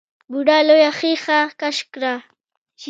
بوډا لويه ښېښه کش کړه.